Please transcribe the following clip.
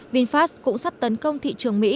vinfast cũng sắp tấn công thị trường mỹ